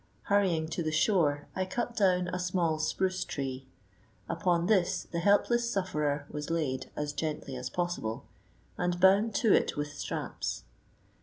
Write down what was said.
Hurrying to the shore I cut down a small spruce tree. Upon this the helpless sufferer was laid as gently as possible, and bound to it with straps.